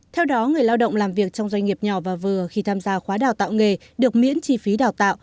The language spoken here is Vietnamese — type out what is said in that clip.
theo đó người lao động làm việc trong doanh nghiệp nhỏ và vừa khi tham gia khóa đào tạo nghề được miễn chi phí đào tạo